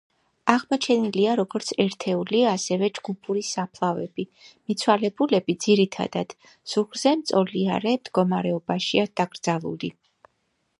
აღმოჩენილია როგორც ერთეული ასევე ჯგუფური საფლავები, მიცვალებულები ძირითადად ზურგზე მწოლიარე მდგომარეობაშია დაკრძალული.